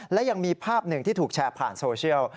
และยังมีภาพหนึ่งที่ถูกแชร์ผ่านโซเชียล